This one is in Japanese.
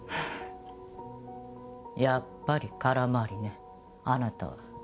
やっぱり空回りねあなたは。